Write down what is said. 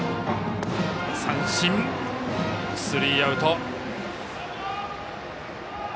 三振、スリーアウト。